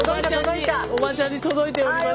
おばちゃんに届いております。